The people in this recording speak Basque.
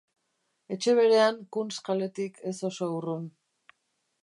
Etxe berean, Kunsthalletik ez oso urrun.